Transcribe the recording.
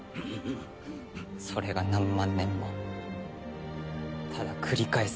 それが何万年もただ繰り返すだけだ。